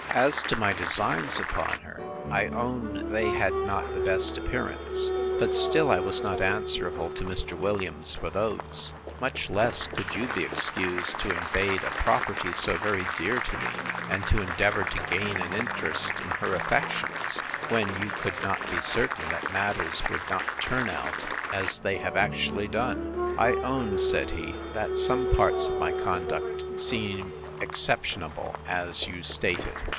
As to my designs upon her, I own they had not the best appearance; but still I was not answerable to Mr. Williams for those; much less could you be excused to invade a property so very dear to me, and to endeavour to gain an interest in her affections, when you could not be certain that matters would not turn out as they have actually done. I own, said he, that some parts of my conduct seem exceptionable, as you state it.